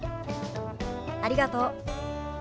ありがとう。